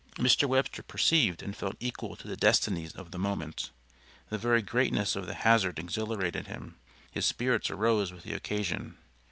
Mr. Webster perceived and felt equal to the destinies of the moment. The very greatness of the hazard exhilarated him. His spirits arose with the occasion.